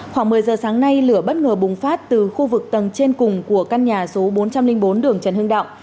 khoảng một mươi giờ sáng nay lửa bất ngờ bùng phát từ khu vực tầng trên cùng của căn nhà số bốn trăm linh bốn đường trần hưng đạo